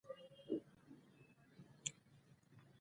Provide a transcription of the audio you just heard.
پښتانه باید د دې کرښې د لرې کولو لپاره هڅې زیاتې کړي.